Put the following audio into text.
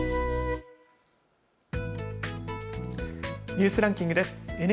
ニュースランキングです。